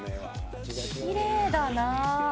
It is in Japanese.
きれいだなあ。